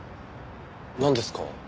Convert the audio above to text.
なんですか？